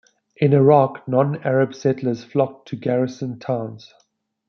In Iraq, non-Arab settlers flocked to garrison towns.